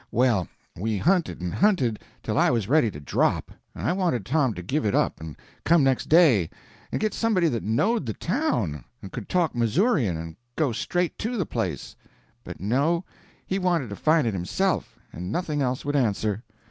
Well, we hunted and hunted till I was ready to drop, and I wanted Tom to give it up and come next day and git somebody that knowed the town and could talk Missourian and could go straight to the place; but no, he wanted to find it himself, and nothing else would answer.